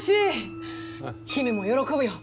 姫も喜ぶよ。